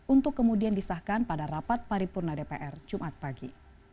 untuk kemudian disahkan pada rapat paripurna dpr jumat pagi